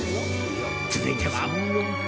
続いては。